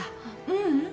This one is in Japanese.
ううん。